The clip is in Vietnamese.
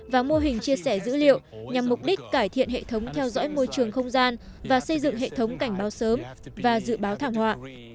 và mô hình chia sẻ dữ liệu nhằm mục đích cải thiện hệ thống theo dõi môi trường không gian và xây dựng hệ thống cảnh báo sớm và dự báo thảm họa